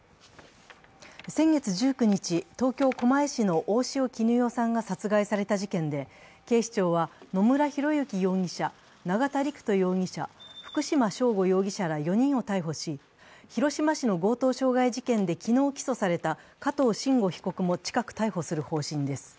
先月１９日、東京・狛江市の大塩衣与さんが殺害された事件で警視庁は野村広之容疑者、永田陸人容疑者福島聖悟容疑者ら４人を逮捕し広島市の強盗傷害事件で昨日起訴された加藤臣吾被告も近く逮捕する方針です。